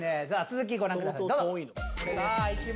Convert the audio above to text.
続きご覧ください